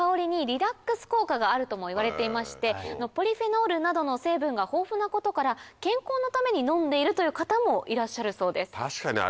ともいわれていましてポリフェノールなどの成分が豊富なことから健康のために飲んでいるという方もいらっしゃるそうです。